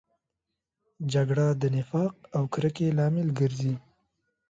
جګړه د نفاق او کرکې لامل ګرځي